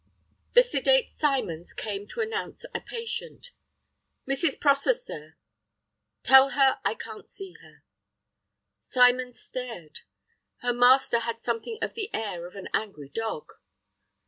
The sedate Symons came to announce a patient. "Mrs. Prosser, sir." "Tell her I can't see her." Symons stared. Her master had something of the air of an angry dog.